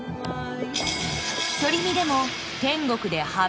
［独り身でも］